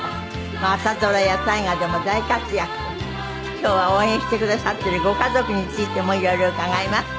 今日は応援してくださっているご家族についても色々伺います。